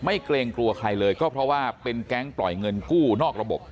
เกรงกลัวใครเลยก็เพราะว่าเป็นแก๊งปล่อยเงินกู้นอกระบบ